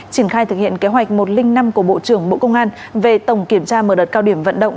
triển khai thực hiện kế hoạch một trăm linh năm của bộ trưởng bộ công an về tổng kiểm tra mở đợt cao điểm vận động